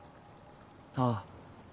ああ。